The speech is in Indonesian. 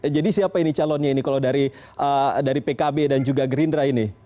jadi siapa ini calonnya ini kalau dari pkb dan juga gerindra ini